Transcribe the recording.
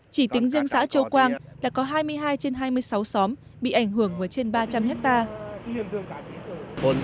chỉ tính riêng xã châu quang đã có hai mươi hai trên hai mươi sáu xóm bị ảnh hưởng với trên ba trăm linh hectare